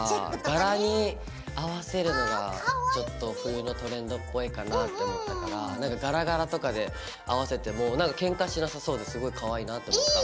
柄に合わせるのがちょっと冬のトレンドっぽいかなぁと思ったからなんか柄・柄とかで合わせてもけんかしなさそうですごいかわいいなと思った。